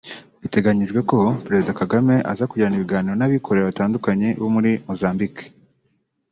Bitegamyijwe ko Perezida Kagame aza kugirana ibiganiro n’abikorera batandukanye bo muri Mozambique